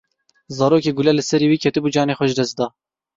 Zarokê gule li serê wî ketibû canê xwe ji dest da.